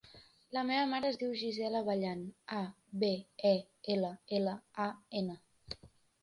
La meva mare es diu Gisela Abellan: a, be, e, ela, ela, a, ena.